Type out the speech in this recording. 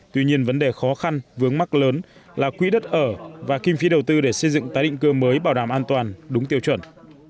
tuy nhiên vấn đề khó khăn vướng mắt lớn là quỹ đất ở và kinh phí đầu tư để xây dựng tái định cư mới bảo đảm an toàn đúng tiêu chuẩn